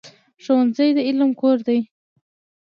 ښوونځی د علم کور دی.